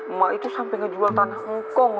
emak itu sampe ngejual tanah hongkong lho